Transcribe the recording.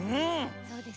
そうですね。